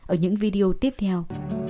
ở những video tiếp theo